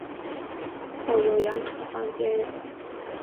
后由杨可芳接任。